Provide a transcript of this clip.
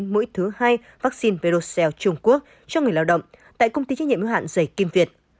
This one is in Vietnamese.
mũi thứ hai vaccine verocell trung quốc cho người lao động tại công ty trách nhiệm ưu hạn dày kim việt